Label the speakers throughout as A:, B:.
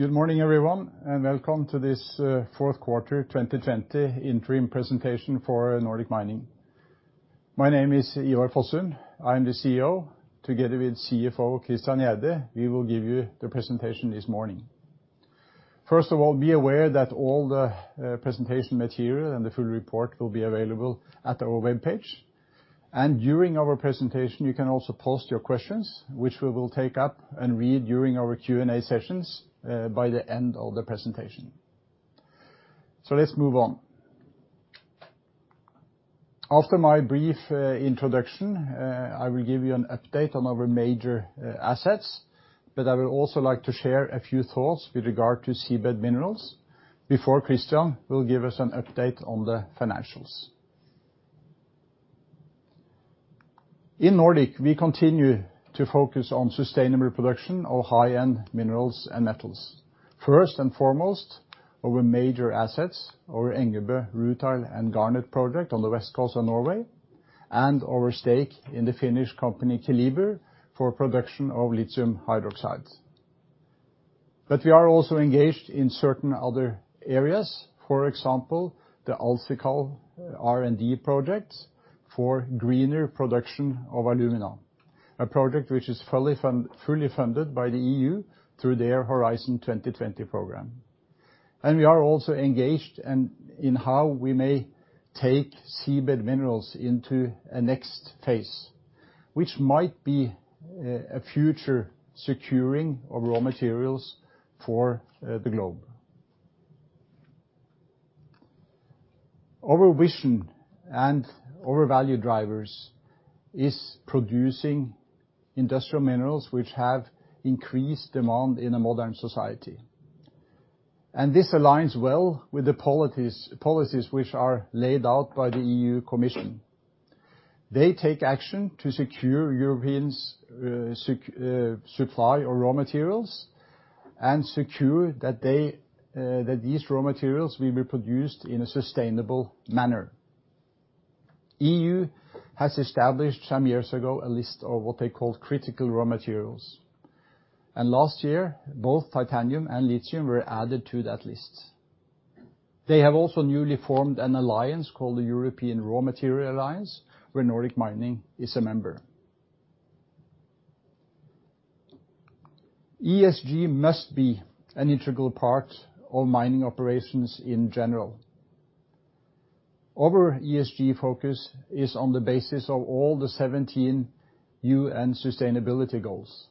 A: Good morning, everyone, and welcome to this fourth quarter 2020 interim presentation for Nordic Mining. My name is Ivar Fossum. I'm the CEO. Together with CFO Christian Gjerde, we will give you the presentation this morning. First of all, be aware that all the presentation material and the full report will be available at our web page. During our presentation, you can also post your questions, which we will take up and read during our Q&A sessions by the end of the presentation. Let's move on. After my brief introduction, I will give you an update on our major assets. I would also like to share a few thoughts with regard to seabed minerals before Christian will give us an update on the financials. In Nordic, we continue to focus on sustainable production of high-end minerals and metals. First and foremost, our major assets, our Engebø rutile and garnet project on the West Coast of Norway, and our stake in the Finnish company Keliber for production of lithium hydroxide. We are also engaged in certain other areas, for example, the AlSiCal R&D project for greener production of alumina, a project which is fully funded by the EU through their Horizon 2020 program. We are also engaged in how we may take seabed minerals into a next phase, which might be a future securing of raw materials for the globe. Our vision and our value drivers is producing industrial minerals which have increased demand in a modern society. This aligns well with the policies which are laid out by the EU Commission. They take action to secure Europeans' supply of raw materials and secure that these raw materials will be produced in a sustainable manner. EU has established some years ago a list of what they call critical raw materials. Last year, both titanium and lithium were added to that list. They have also newly formed an alliance called the European Raw Materials Alliance, where Nordic Mining is a member. ESG must be an integral part of mining operations in general. Our ESG focus is on the basis of all the 17 UN Sustainability Goals.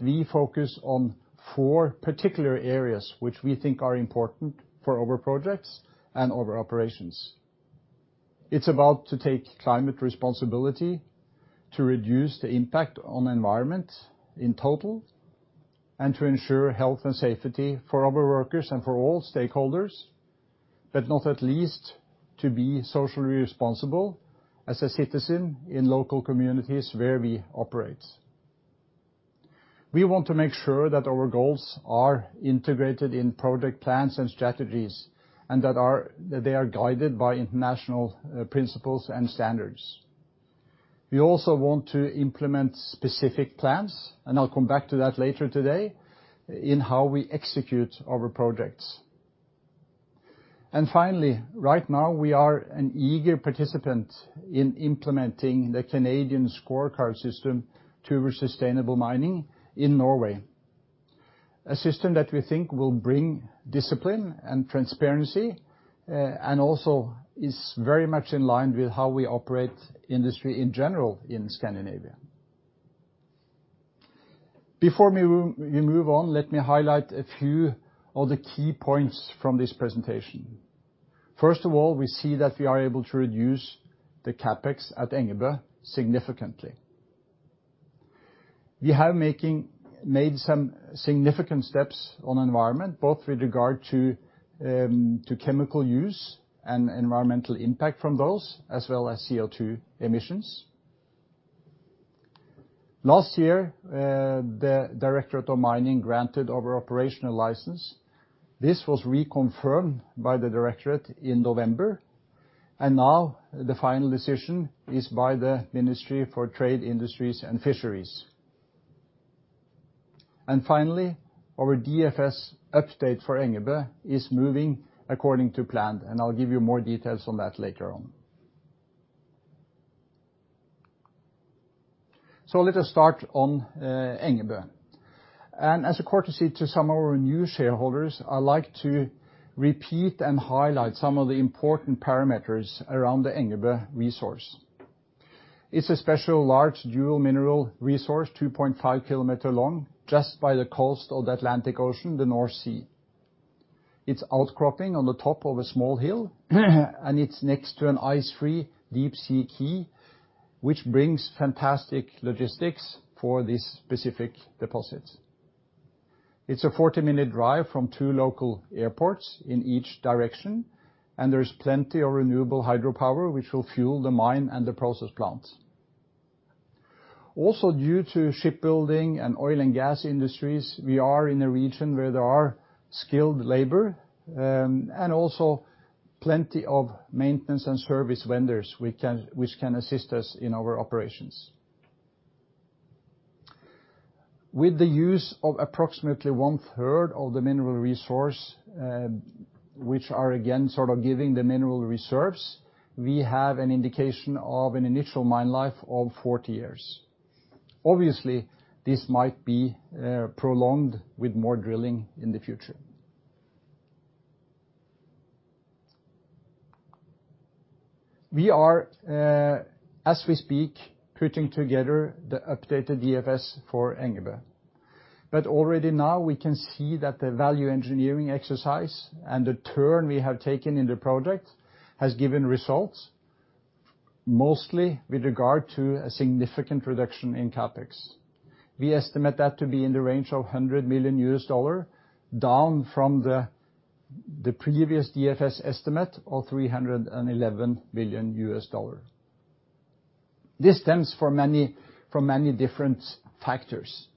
A: We focus on four particular areas which we think are important for our projects and our operations. It's about to take climate responsibility to reduce the impact on the environment in total, and to ensure health and safety for our workers and for all stakeholders, not at least to be socially responsible as a citizen in local communities where we operate. We want to make sure that our goals are integrated in project plans and strategies, and that they are guided by international principles and standards. We also want to implement specific plans, and I'll come back to that later today, in how we execute our projects. Finally, right now, we are an eager participant in implementing the Canadian scorecard system to sustainable mining in Norway. A system that we think will bring discipline and transparency, and also is very much in line with how we operate industry in general in Scandinavia. Before we move on, let me highlight a few of the key points from this presentation. First of all, we see that we are able to reduce the CapEx at Engebø significantly. We have made some significant steps on the environment, both with regard to chemical use and environmental impact from those, as well as CO2 emissions. Last year, the Directorate of Mining granted our operational license. This was reconfirmed by the Directorate in November. The final decision is by the Ministry of Trade, Industry and Fisheries. Our DFS update for Engebø is moving according to plan. I'll give you more details on that later on. Let us start on Engebø. As a courtesy to some of our new shareholders, I'd like to repeat and highlight some of the important parameters around the Engebø resource. It's a special large dual mineral resource, 2.5 km long, just by the coast of the Atlantic Ocean, the North Sea. It's outcropping on the top of a small hill, and it's next to an ice-free deep-sea quay, which brings fantastic logistics for this specific deposit. It's a 40-minute drive from two local airports in each direction, and there's plenty of renewable hydropower, which will fuel the mine and the process plants. Also, due to shipbuilding and oil and gas industries, we are in a region where there are skilled labor, and also plenty of maintenance and service vendors which can assist us in our operations. With the use of approximately 1/3 of the mineral resource, which are again sort of giving the mineral reserves, we have an indication of an initial mine life of 40 years. Obviously, this might be prolonged with more drilling in the future. We are, as we speak, putting together the updated DFS for Engebø. Already now, we can see that the value engineering exercise and the turn we have taken in the project has given results, mostly with regard to a significant reduction in Capex. We estimate that to be in the range of $100 million, down from the previous DFS estimate of $311 million. This stems from many different factors.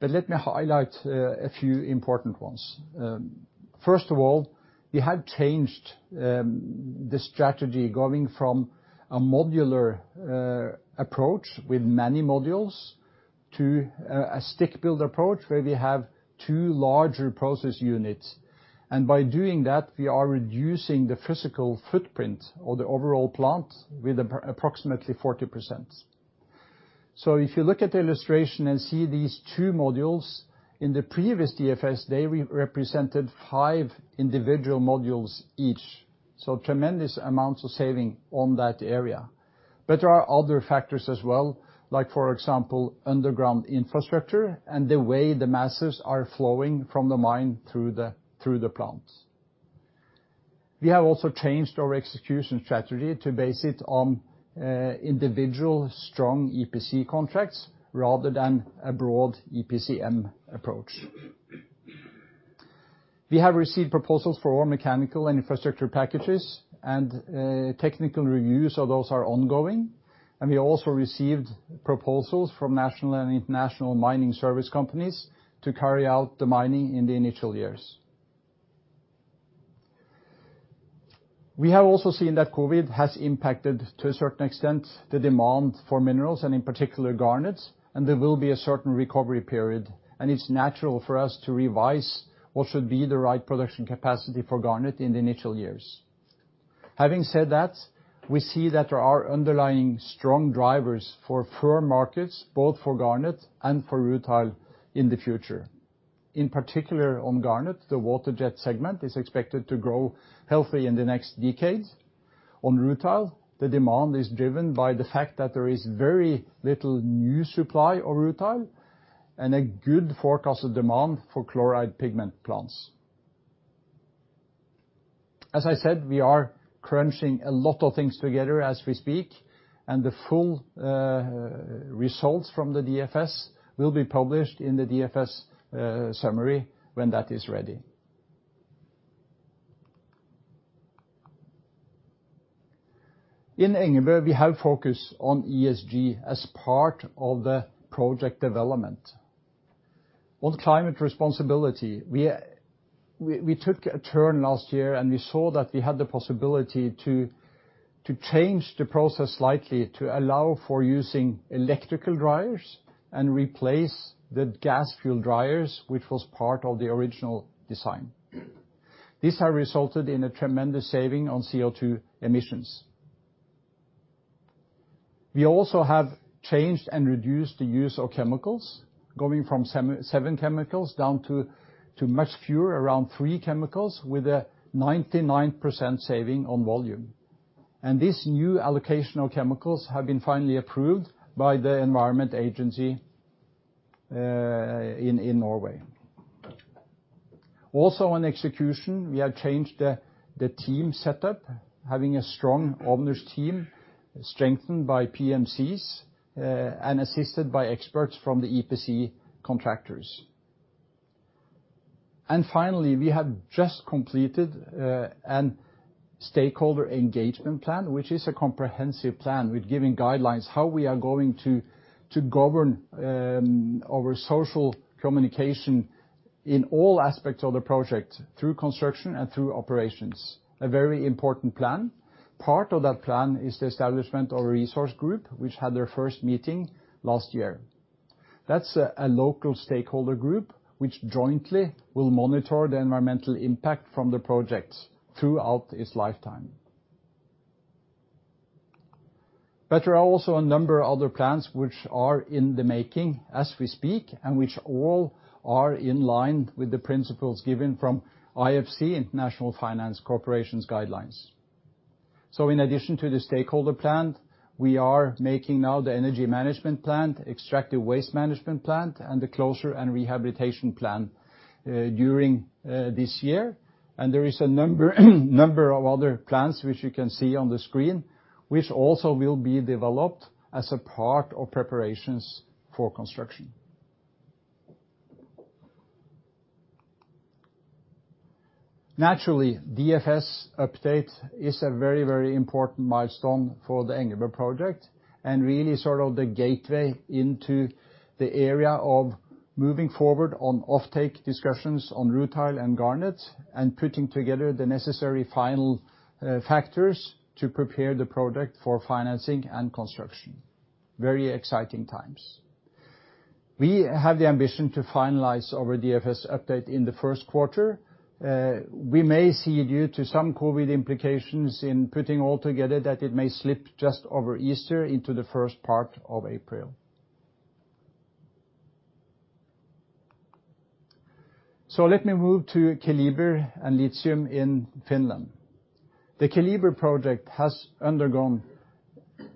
A: Let me highlight a few important ones. First of all, we have changed the strategy, going from a modular approach with many modules to a stick-built approach, where we have two larger process units. By doing that, we are reducing the physical footprint of the overall plant by approximately 40%. If you look at the illustration and see these two modules, in the previous DFS, they represented five individual modules each. Tremendous amounts of saving on that area. There are other factors as well, like, for example, underground infrastructure and the way the masses are flowing from the mine through the plant. We have also changed our execution strategy to base it on individual strong EPC contracts rather than a broad EPCM approach. We have received proposals for all mechanical and infrastructure packages, and technical reviews of those are ongoing. We also received proposals from national and international mining service companies to carry out the mining in the initial years. We have also seen that COVID has impacted, to a certain extent, the demand for minerals, and in particular, garnet, and there will be a certain recovery period. It is natural for us to revise what should be the right production capacity for garnet in the initial years. Having said that, we see that there are underlying strong drivers for firm markets, both for garnet and for rutile, in the future. In particular, on garnet, the water jet segment is expected to grow healthy in the next decade. On rutile, the demand is driven by the fact that there is very little new supply of rutile and a good forecast of demand for chloride pigment plants. As I said, we are crunching a lot of things together as we speak, and the full results from the DFS will be published in the DFS summary when that is ready. In Engebø, we have focused on ESG as part of the project development. On climate responsibility, we took a turn last year, and we saw that we had the possibility to change the process slightly to allow for using electrical dryers and replace the gas fuel dryers, which was part of the original design. This has resulted in a tremendous saving on CO2 emissions. We also have changed and reduced the use of chemicals, going from seven chemicals down to much fewer, around three chemicals, with a 99% saving on volume. This new allocation of chemicals has been finally approved by the Environment Agency in Norway. Also, on execution, we have changed the team setup, having a strong owners team, strengthened by PMCs and assisted by experts from the EPC contractors. Finally, we have just completed a stakeholder engagement plan, which is a comprehensive plan with guidelines on how we are going to govern our social communication in all aspects of the project, through construction and through operations. A very important plan. Part of that plan is the establishment of a resource group, which had their first meeting last year. That is a local stakeholder group which jointly will monitor the environmental impact from the project throughout its lifetime. There are also a number of other plans which are in the making as we speak, and which all are in line with the principles given from IFC, International Finance Corporation's guidelines. In addition to the stakeholder plan, we are making now the energy management plan, extractive waste management plan, and the closure and rehabilitation plan during this year. There is a number of other plans which you can see on the screen, which also will be developed as a part of preparations for construction. Naturally, DFS update is a very, very important milestone for the Engebø project, and really sort of the gateway into the area of moving forward on offtake discussions on rutile and garnet, and putting together the necessary final factors to prepare the project for financing and construction. Very exciting times. We have the ambition to finalize our DFS update in the first quarter. We may see, due to some COVID implications in putting all together, that it may slip just over Easter into the first part of April. Let me move to Keliber and lithium in Finland. The Keliber project has undergone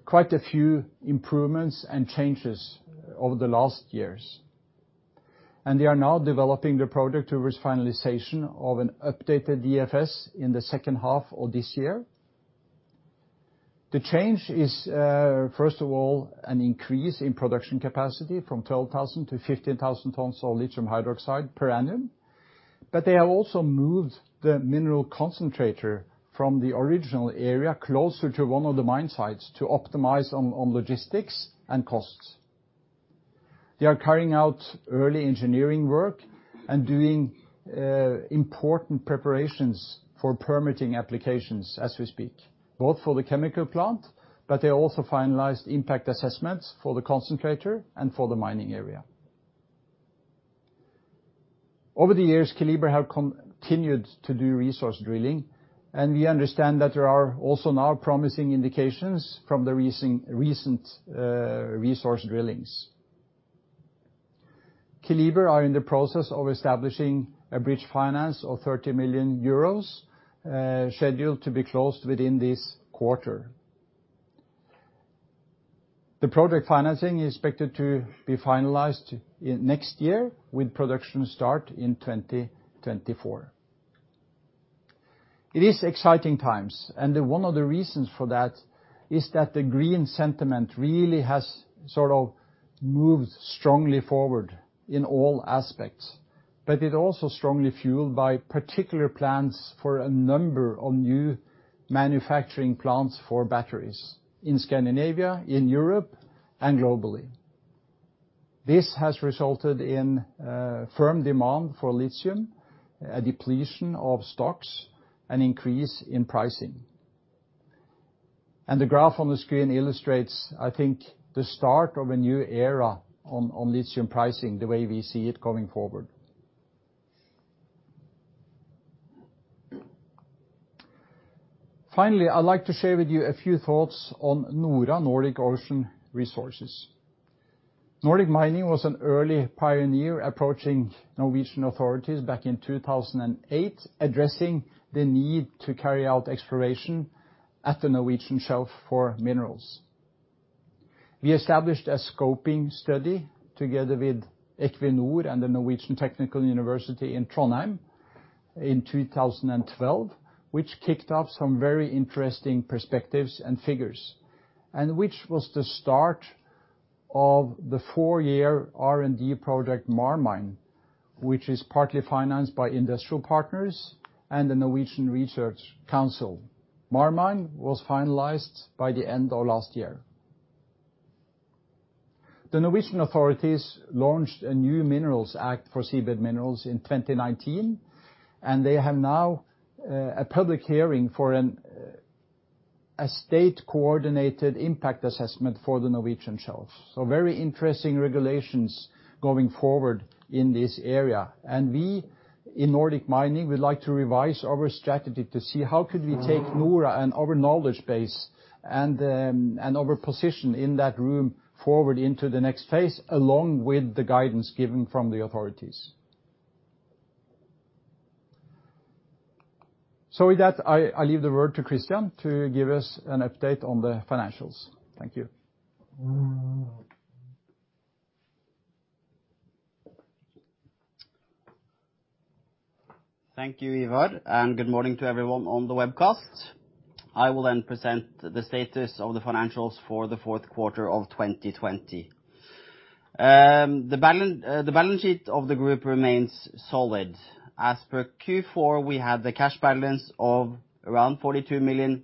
A: quite a few improvements and changes over the last years. They are now developing the project towards finalization of an updated DFS in the second half of this year. The change is, first of all, an increase in production capacity from 12,000-15,000 tons of lithium hydroxide per annum. They have also moved the mineral concentrator from the original area closer to one of the mine sites to optimize on logistics and costs. They are carrying out early engineering work and doing important preparations for permitting applications as we speak, both for the chemical plant, but they also finalized impact assessments for the concentrator and for the mining area. Over the years, Keliber have continued to do resource drilling, and we understand that there are also now promising indications from the recent resource drillings. Keliber are in the process of establishing a bridge finance of 30 million euros, scheduled to be closed within this quarter. The project financing is expected to be finalized next year, with production start in 2024. It is exciting times, and one of the reasons for that is that the green sentiment really has sort of moved strongly forward in all aspects. It is also strongly fueled by particular plans for a number of new manufacturing plants for batteries in Scandinavia, in Europe, and globally. This has resulted in firm demand for lithium, a depletion of stocks, and an increase in pricing. The graph on the screen illustrates, I think, the start of a new era on lithium pricing, the way we see it going forward. Finally, I'd like to share with you a few thoughts on NORA, Nordic Ocean Resources. Nordic Mining was an early pioneer approaching Norwegian authorities back in 2008, addressing the need to carry out exploration at the Norwegian shelf for minerals. We established a scoping study together with Equinor and the Norwegian Technical University in Trondheim in 2012, which kicked off some very interesting perspectives and figures, and which was the start of the four-year R&D project MarMine, which is partly financed by industrial partners and the Norwegian Research Council. MarMine was finalized by the end of last year. The Norwegian authorities launched a new Minerals Act for seabed minerals in 2019, and they have now a public hearing for a state-coordinated impact assessment for the Norwegian shelf. Very interesting regulations going forward in this area. We in Nordic Mining would like to revise our strategy to see how could we take NORA and our knowledge base and our position in that room forward into the next phase, along with the guidance given from the authorities. With that, I leave the word to Christian to give us an update on the financials. Thank you.
B: Thank you, Ivar, and good morning to everyone on the webcast. I will then present the status of the financials for the fourth quarter of 2020. The balance sheet of the group remains solid. As per Q4, we had the cash balance of around 42 million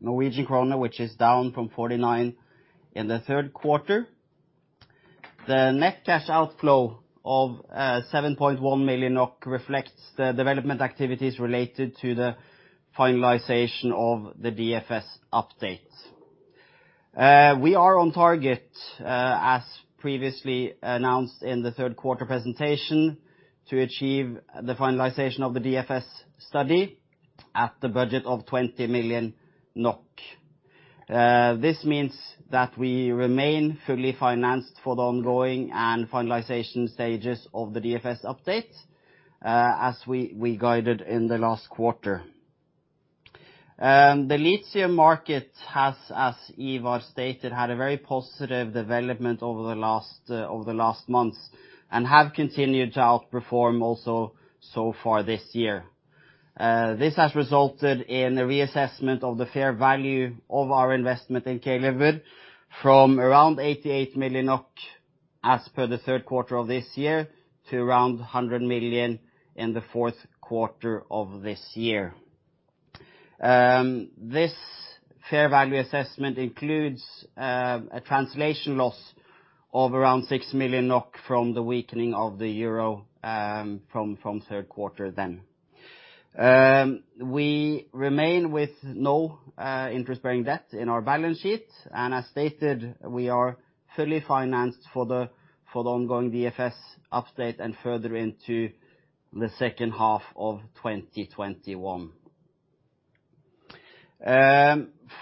B: Norwegian kroner, which is down from 49 million in the third quarter. The net cash outflow of 7.1 million NOK reflects the development activities related to the finalization of the DFS update. We are on target, as previously announced in the third quarter presentation, to achieve the finalization of the DFS study at the budget of 20 million NOK. This means that we remain fully financed for the ongoing and finalization stages of the DFS update, as we guided in the last quarter. The lithium market has, as Ivar stated, had a very positive development over the last months and has continued to outperform also so far this year. This has resulted in a reassessment of the fair value of our investment in Keliber from around 88 million as per the third quarter of this year to around 100 million in the fourth quarter of this year. This fair value assessment includes a translation loss of around 6 million NOK from the weakening of the euro from third quarter then. We remain with no interest-bearing debt in our balance sheet, and as stated, we are fully financed for the ongoing DFS update and further into the second half of 2021.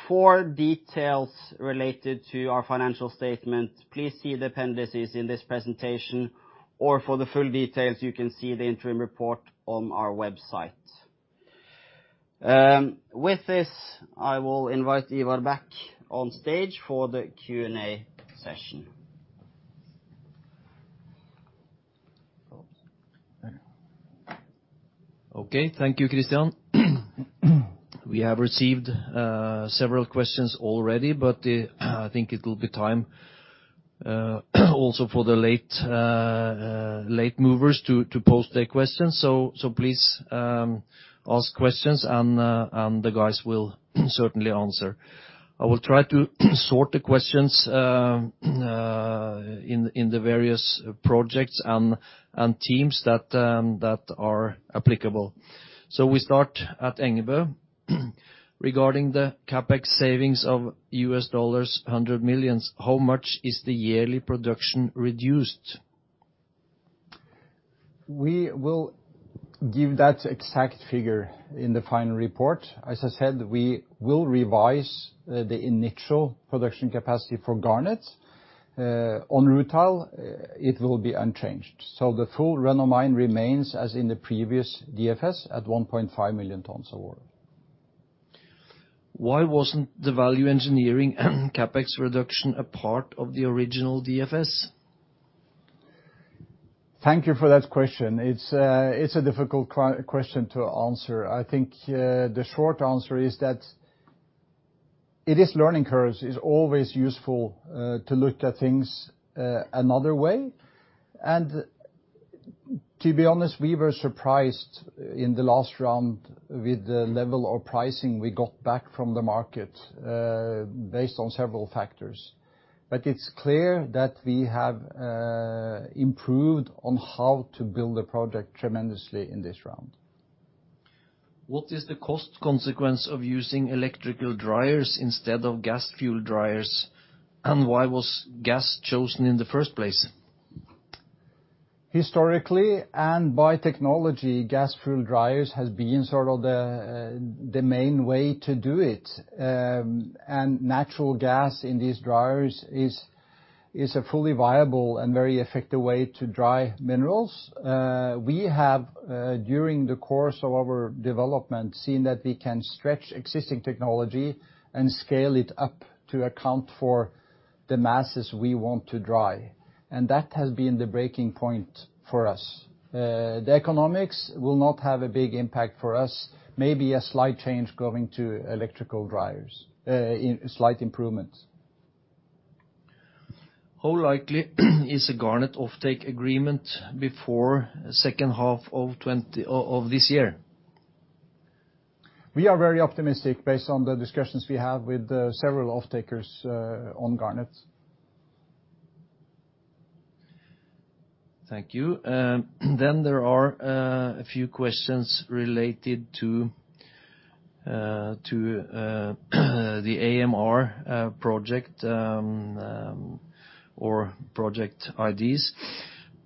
B: For details related to our financial statement, please see the appendices in this presentation, or for the full details, you can see the interim report on our website. With this, I will invite Ivar back on stage for the Q&A session.
C: Okay, thank you, Christian. We have received several questions already, but I think it will be time also for the late movers to post their questions. Please ask questions, and the guys will certainly answer. I will try to sort the questions in the various projects and teams that are applicable. We start at Engebø. Regarding the CapEx savings of $100 million, how much is the yearly production reduced? We will give that exact figure in the final report. As I said, we will revise the initial production capacity for garnet and rutile. It will be unchanged. The full run of mine remains as in the previous DFS at 1.5 million tons of ore. Why was not the value engineering and CapEx reduction a part of the original DFS?
A: Thank you for that question. It is a difficult question to answer. I think the short answer is that it is learning curves. It's always useful to look at things another way. To be honest, we were surprised in the last round with the level of pricing we got back from the market based on several factors. It is clear that we have improved on how to build the project tremendously in this round.
C: What is the cost consequence of using electrical dryers instead of gas fuel dryers, and why was gas chosen in the first place?
A: Historically and by technology, gas fuel dryers have been sort of the main way to do it. Natural gas in these dryers is a fully viable and very effective way to dry minerals. We have, during the course of our development, seen that we can stretch existing technology and scale it up to account for the masses we want to dry. That has been the breaking point for us. The economics will not have a big impact for us. Maybe a slight change going to electrical dryers, a slight improvement.
C: How likely is a garnet offtake agreement before the second half of this year?
A: We are very optimistic based on the discussions we have with several offtakers on garnet.
C: Thank you. There are a few questions related to the AMR project or project IDs.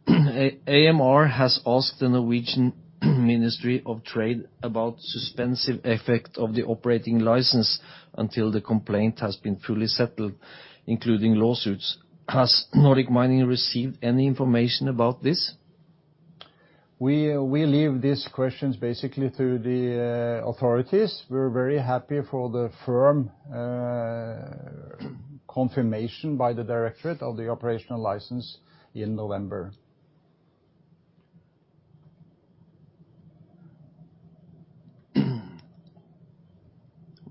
C: AMR has asked the Norwegian Ministry of Trade about the suspensive effect of the operating license until the complaint has been fully settled, including lawsuits. Has Nordic Mining received any information about this?
A: We leave these questions basically to the authorities. We're very happy for the firm confirmation by the directorate of the operational license in November.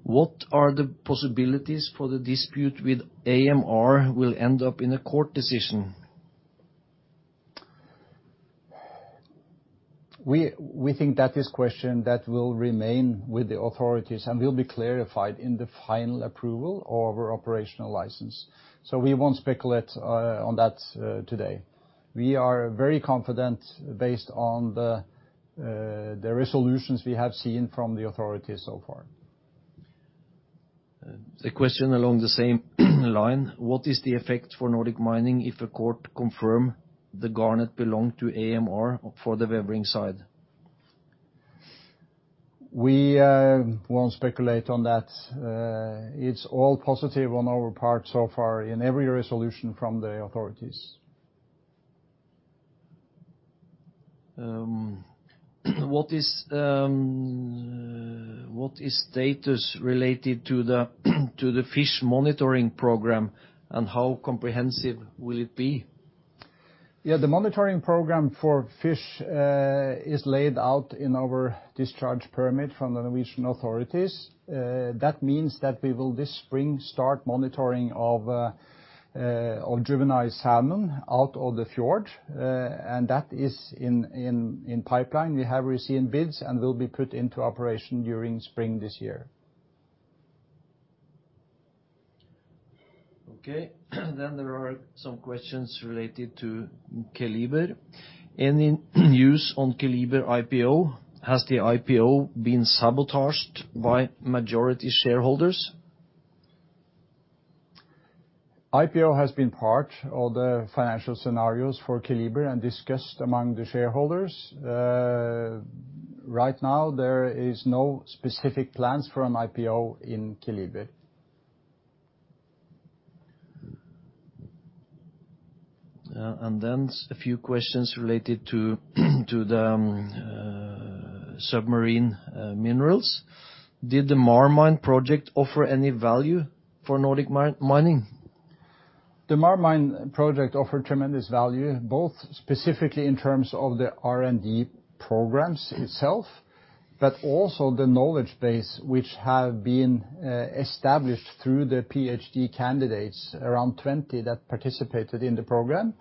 C: What are the possibilities for the dispute with AMR will end up in a court decision?
A: We think that is a question that will remain with the authorities and will be clarified in the final approval of our operational license. We will not speculate on that today. We are very confident based on the resolutions we have seen from the authorities so far.
C: A question along the same line. What is the effect for Nordic Mining if a court confirms the garnet belonged to AMR for the Wevering side?
A: We will not speculate on that. It is all positive on our part so far in every resolution from the authorities.
C: What is status related to the fish monitoring program, and how comprehensive will it be?
A: Yeah, the monitoring program for fish is laid out in our discharge permit from the Norwegian authorities. That means that we will this spring start monitoring of juvenile salmon out of the fjord, and that is in pipeline. We have received bids and will be put into operation during spring this year.
C: There are some questions related to Keliber. Any news on Keliber IPO? Has the IPO been sabotaged by majority shareholders?
A: IPO has been part of the financial scenarios for Keliber and discussed among the shareholders. Right now, there are no specific plans for an IPO in Keliber.
C: There are a few questions related to the submarine minerals. Did the MarMine project offer any value for Nordic Mining?
A: The MarMine project offered tremendous value, both specifically in terms of the R&D programs itself, but also the knowledge base which has been established through the PhD candidates, around 20 that participated in the program,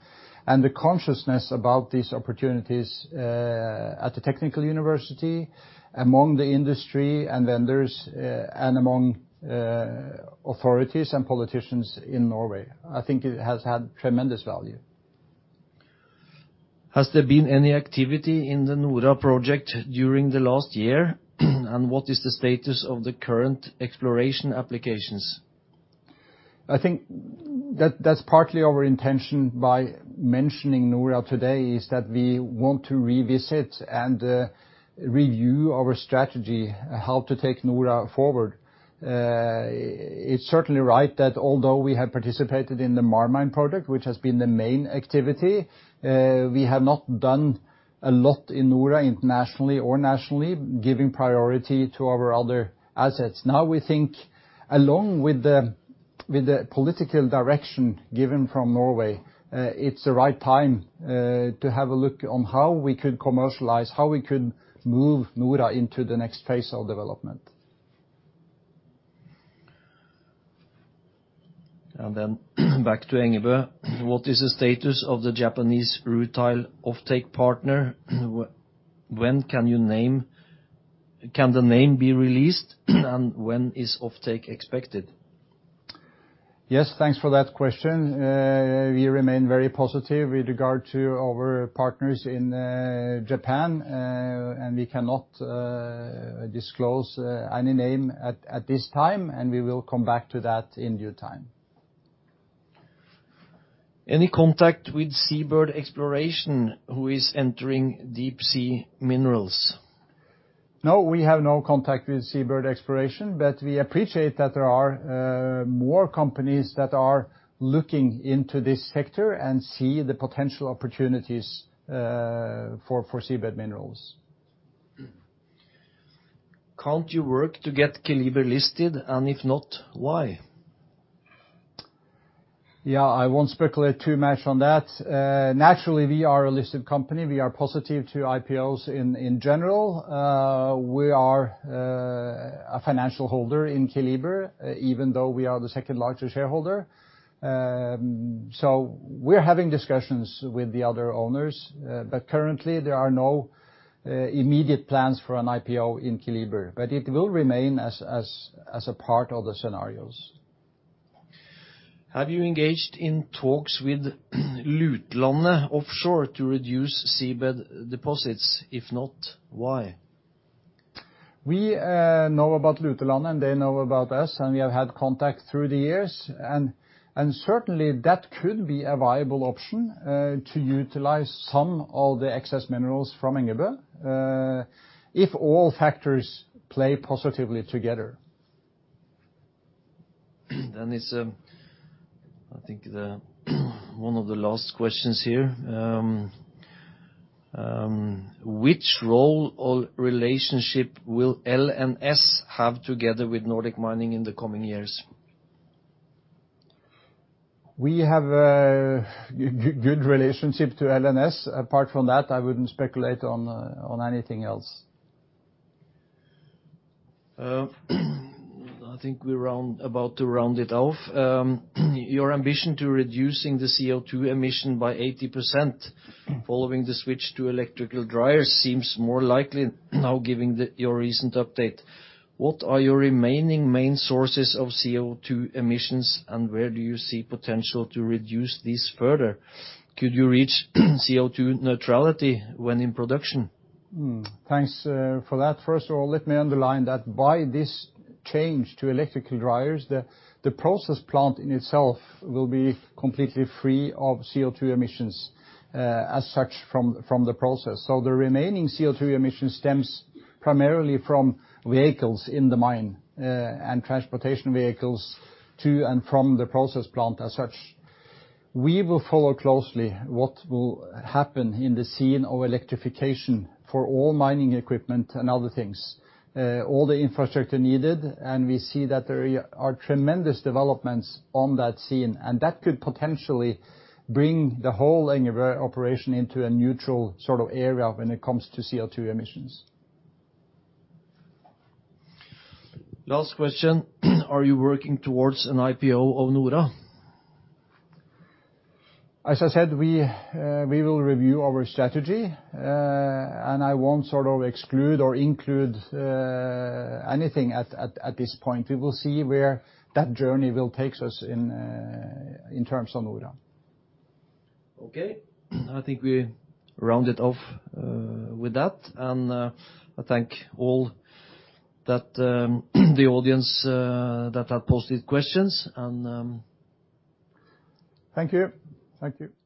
A: and the consciousness about these opportunities at the Technical University, among the industry and vendors, and among authorities and politicians in Norway. I think it has had tremendous value.
C: Has there been any activity in the NORA project during the last year, and what is the status of the current exploration applications?
A: I think that's partly our intention by mentioning NORA today is that we want to revisit and review our strategy, how to take NORA forward. It's certainly right that although we have participated in the MarMine project, which has been the main activity, we have not done a lot in NORA internationally or nationally, giving priority to our other assets. Now we think, along with the political direction given from Norway, it's the right time to have a look on how we could commercialize, how we could move NORA into the next phase of development.
C: Back to Engebø. What is the status of the Japanese rutile offtake partner? When can the name be released, and when is offtake expected?
A: Yes, thanks for that question. We remain very positive with regard to our partners in Japan, and we cannot disclose any name at this time, and we will come back to that in due time.
C: Any contact with SeaBird Exploration who is entering deep-sea minerals?
A: No, we have no contact with SeaBird Exploration, but we appreciate that there are more companies that are looking into this sector and see the potential opportunities for seabed minerals.
C: Can't you work to get Keliber listed, and if not, why?
A: Yeah, I won't speculate too much on that. Naturally, we are a listed company. We are positive to IPOs in general. We are a financial holder in Keliber, even though we are the second largest shareholder. We are having discussions with the other owners, but currently there are no immediate plans for an IPO in Keliber, but it will remain as a part of the scenarios.
C: Have you engaged in talks with Lutelandet Offshore to reduce seabed deposits? If not, why?
A: We know about Lutland, and they know about us, and we have had contact through the years, and certainly that could be a viable option to utilize some of the excess minerals from Engebø, if all factors play positively together.
C: I think one of the last questions here. Which role or relationship will LNS have together with Nordic Mining in the coming years?
A: We have a good relationship to L&S. Apart from that, I would not speculate on anything else.
C: I think we are about to round it off. Your ambition to reduce the CO2 emission by 80% following the switch to electrical dryers seems more likely now, given your recent update. What are your remaining main sources of CO2 emissions, and where do you see potential to reduce these further? Could you reach CO2 neutrality when in production?
A: Thanks for that. First of all, let me underline that by this change to electrical dryers, the process plant in itself will be completely free of CO2 emissions as such from the process. The remaining CO2 emission stems primarily from vehicles in the mine and transportation vehicles to and from the process plant as such. We will follow closely what will happen in the scene of electrification for all mining equipment and other things, all the infrastructure needed, and we see that there are tremendous developments on that scene, and that could potentially bring the whole Engebø operation into a neutral sort of area when it comes to CO2 emissions.
C: Last question. Are you working towards an IPO of NORA?
A: As I said, we will review our strategy, and I won't sort of exclude or include anything at this point. We will see where that journey will take us in terms of NORA.
C: Okay, I think we rounded off with that, and I thank all the audience that had posted questions.
A: Thank you. Thank you.